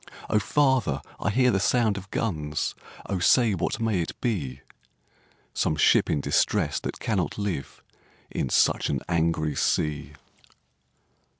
'O father! I hear the sound of guns, O say, what may it be?' 'Some ship in distress that cannot live In such an angry sea!'